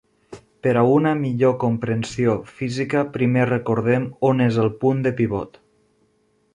Per a una millor comprensió física, primer recordem on és el punt de pivot.